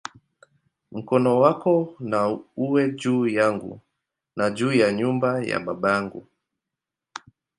Mkono wako na uwe juu yangu, na juu ya nyumba ya baba yangu"!